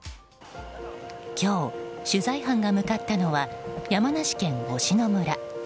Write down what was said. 今日、取材班が向かったのは山梨県忍野村。